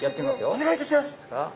お願いいたします。